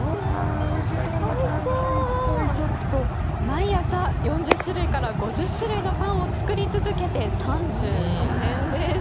毎朝４０種類から５０種類のパンを作り続けて３５年です。